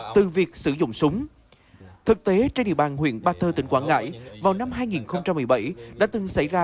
từ việc sử dụng súng thực tế trên địa bàn huyện ba thơ tỉnh quảng ngãi vào năm hai nghìn một mươi bảy đã từng xảy ra